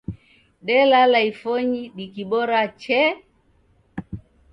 Delala ifonyi dikibora chee